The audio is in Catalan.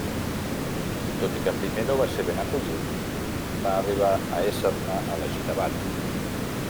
Tot i que primer no va ser ben acollit, va arribar a ésser-ne elegit abat.